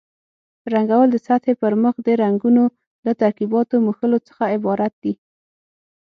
رنګول د سطحې پر مخ د رنګونو له ترکیباتو مښلو څخه عبارت دي.